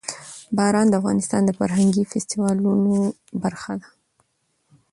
باران د افغانستان د فرهنګي فستیوالونو برخه ده.